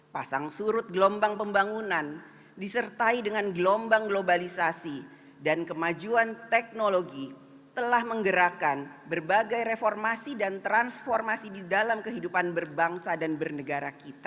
pasang surut gelombang pembangunan disertai dengan gelombang globalisasi dan kemajuan teknologi telah menggerakkan berbagai reformasi dan transformasi di dalam kehidupan berbangsa dan bernegara kita